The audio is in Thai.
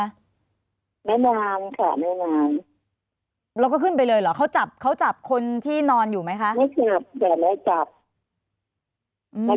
แน่นอนค่ะไม่นานแล้วก็ขึ้นไปเลยเหรอเขาจับเขาจับคนที่นอนอยู่ไหมคะไม่จับแต่ไม่จับอืม